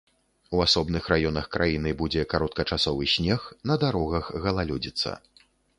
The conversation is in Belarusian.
У асобных раёнах краіны будзе кароткачасовы снег, на дарогах галалёдзіца.